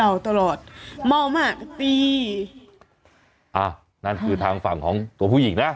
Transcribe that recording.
อ่านั้นคือทางฝั่งของตัวผู้หญิงนะ